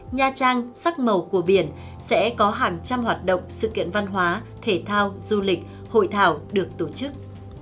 nha trang sắc màu của biển sẽ có hàng trăm hoạt động sự kiện văn hóa thể thao du lịch hội thảo được tổ chức